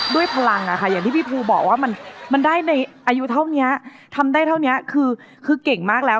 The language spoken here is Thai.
ด้วยพลังอะค่ะอย่างที่พี่ฟูบอกว่ามันได้ในอายุเท่านี้คือเก่งมากแล้ว